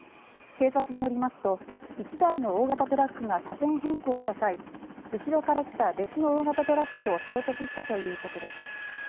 警察によりますと１台の大型トラックが車線変更した際後ろから来た別の大型トラックと衝突したということです。